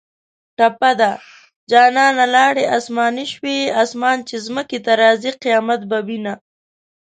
ټپه ده: جانانه لاړې اسماني شوې اسمان چې ځمکې ته راځي قیامت به وینه